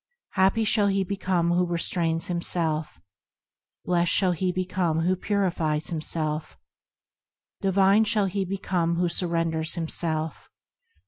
Happy shall he become who restrains himself, Blessed shall he become who purifies himself, Divine shall he become who surrenders himself.